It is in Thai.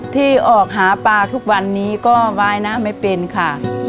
ที่ออกหาปลาทุกวันนี้ก็ว่ายน้ำไม่เป็นค่ะ